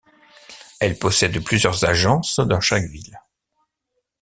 Elle possède plusieurs agences dans chaque ville.